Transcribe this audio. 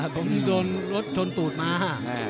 ผมโดนรถชนตูดมา